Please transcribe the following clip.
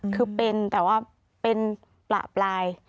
คือเป็นแต่ว่าเป็นประปราย